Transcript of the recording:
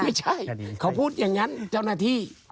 ไม่ใช่เขาพูดอย่างนั้นเจ้าหน้าที่